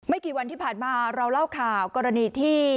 กี่วันที่ผ่านมาเราเล่าข่าวกรณีที่